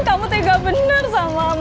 kamu tiga bener sama emak